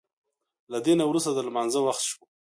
له دې نه وروسته د لمانځه وخت شو.